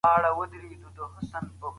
که دوران چټک سي بازار به ګرم سي.